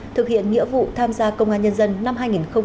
thực hiện nghĩa vụ tham gia công an nhân dân năm hai nghìn hai mươi ba